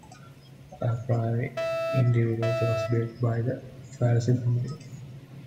A priory in the village was built by the Falaise family.